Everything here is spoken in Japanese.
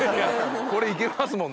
これいけますもんだって。